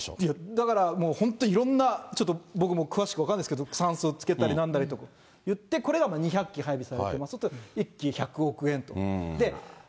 だから、もう本当、いろんな、ちょっと僕も詳しく分からないですけど、酸素をつけたりなんだりとかいって、これが２００機配備されてます、１機１００億円と。